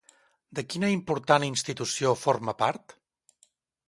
De quina important institució forma part?